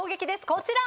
こちら。